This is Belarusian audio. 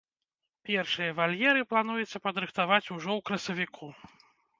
Першыя вальеры плануецца падрыхтаваць ужо ў красавіку.